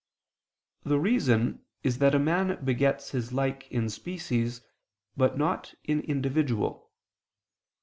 The reason is that a man begets his like in species but not in individual.